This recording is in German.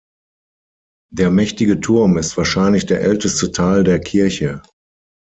Der mächtige Turm ist wahrscheinlich der älteste Teil der Kirche.